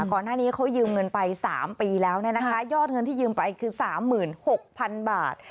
ก่อนหน้านี้เขายืมเงินไปสามปีแล้วนี่นะคะยอดเงินที่ยืมไปคือสามหมื่นหกพันบาท